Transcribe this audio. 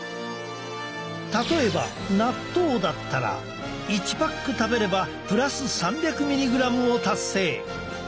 例えば納豆だったら１パック食べればプラス３００ｍｇを達成！